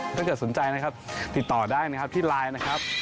ถ้าเกิดสนใจนะครับติดต่อได้นะครับที่ไลน์นะครับ